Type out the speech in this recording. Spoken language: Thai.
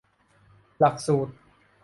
หลักสูตร